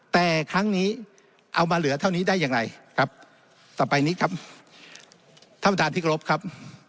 แต่ครั้งนี้เอามาเหลือเท่านี้ได้อย่างไรครับต่อไปนี้ครับท่านประธานที่กรบครับ